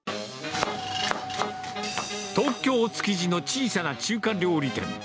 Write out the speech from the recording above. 東京・築地の小さな中華料理店。